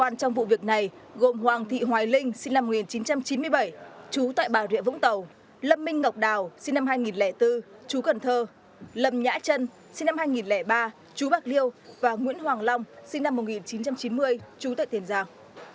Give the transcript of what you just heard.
cơ quan trong vụ việc này gồm hoàng thị hoài linh sinh năm một nghìn chín trăm chín mươi bảy chú tại bà rịa vũng tàu lâm minh ngọc đào sinh năm hai nghìn bốn chú cần thơ lâm nhã trân sinh năm hai nghìn ba chú bạc liêu và nguyễn hoàng long sinh năm một nghìn chín trăm chín mươi chú tại tiền giang